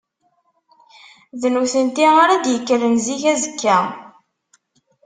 D nutenti ara d-yekkren zik azekka.